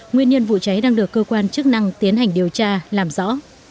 nguyên nhân vụ cháy đang được cơ quan chức năng tiến hành điều tra làm rõ